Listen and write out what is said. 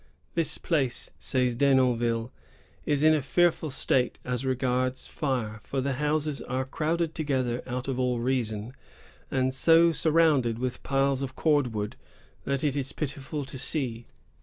"This place," says Denonville, " is in a fearful state as regards fire ; for the houses are crowded together out of all reason, and so surrounded with piles of cord wood that it is pitiful to see."